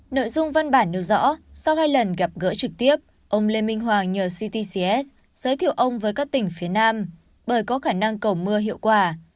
nội dung văn bản nêu rõ sau hai lần gặp gỡ trực tiếp ông lê minh hoàng nhờ ctcs giới thiệu ông với các tỉnh phía nam bởi có khả năng cầu mưa hiệu quả